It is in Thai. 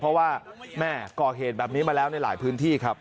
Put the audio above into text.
เพราะว่าแม่ก่อเหตุแบบนี้มาแล้วในหลายพื้นที่ครับ